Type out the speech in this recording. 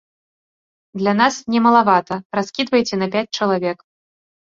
Для нас не малавата, раскідвайце на пяць чалавек.